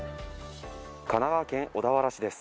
神奈川県小田原市です。